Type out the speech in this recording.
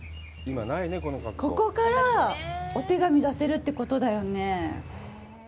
ここからお手紙出せるってことだよね。